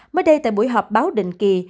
mới đây tại buổi họp báo định kỳ